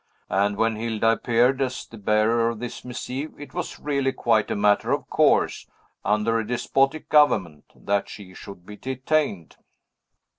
And when Hilda appeared as the bearer of this missive, it was really quite a matter of course, under a despotic government, that she should be detained."